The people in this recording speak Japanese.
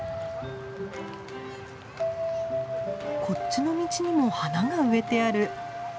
こっちの道にも花が植えてある。